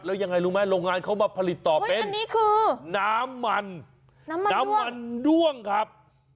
แล้วยังไงรู้ไหมโรงงานเขามาผลิตต่อเป็นน้ำมันด้วงครับ